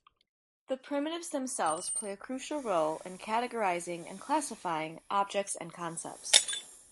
The primitives themselves play a crucial role in categorizing and classifying objects and concepts.